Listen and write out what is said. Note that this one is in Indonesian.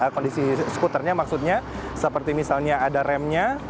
kondisi skuternya maksudnya seperti misalnya ada remnya